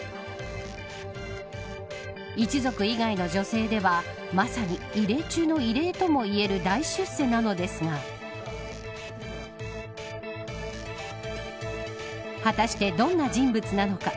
一族以外の女性ではまさに異例中の異例ともいえる大出世なのですが果たして、どんな人物なのか。